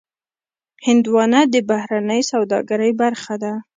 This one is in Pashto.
هندوانه د بهرنۍ سوداګرۍ برخه ده.